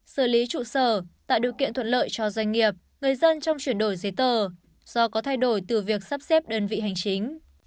xử lý trụ sở tạo điều kiện thuận lợi cho doanh nghiệp người dân trong chuyển đổi giấy tờ do có thay đổi từ việc sắp xếp đơn vị hành chính